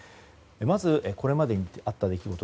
まずこれまでにあった出来事